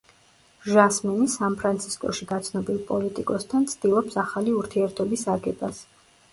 ჟასმინი სან-ფრანცისკოში გაცნობილ პოლიტიკოსთან ცდილობს ახალი ურთიერთობის აგებას.